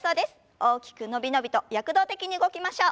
大きく伸び伸びと躍動的に動きましょう。